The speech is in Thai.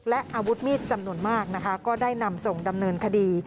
และอาวุธมีดจำนวนมากนะคะก็ได้นำส่งดำเนินคดี